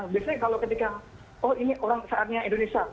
biasanya kalau ketika oh ini orang saatnya indonesia